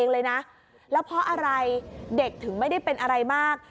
เลยนะแล้วเพราะอะไรเด็กถึงไม่ได้เป็นอะไรมาก